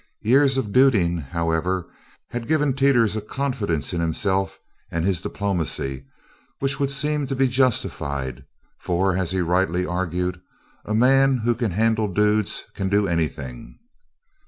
Years of "Duding," however, had given Teeters a confidence in himself and his diplomacy which would seem to be justified, for, as he rightly argued, "A man who can handle dudes can do anything."